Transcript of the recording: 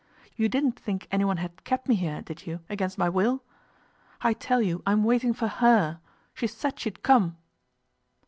You didn't think anyone had kept me here, did you, against my will? I tell you I'm waiting for her. She said she'd come.